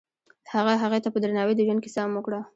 هغه هغې ته په درناوي د ژوند کیسه هم وکړه.